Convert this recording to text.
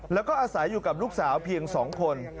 แล้วก็อาศัยอยู่กับลูกสาวเพียง๒คน